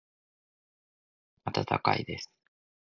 温かいです。